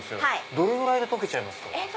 どれぐらいで解けちゃいますか？